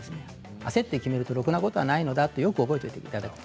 焦って決めるとろくなことはないとよく覚えていただくと。